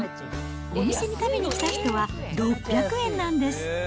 お店に食べに来た人は６００円なんです。